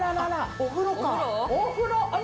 お風呂か！